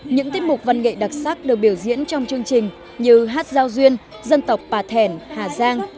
những tiết mục văn nghệ đặc sắc được biểu diễn trong chương trình như hát giao duyên dân tộc bà thẻn hà giang